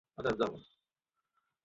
অস্তিত্ব নিয়ে সংকটে পড়েছিলাম বলে।